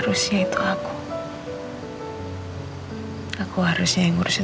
nomor atas minum karna sama rina kan sendiri lagi dou